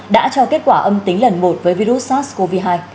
đã cho kết quả âm tính lần một với virus sars cov hai